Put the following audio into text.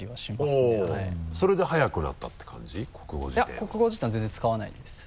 いや国語辞典は全然使わないです。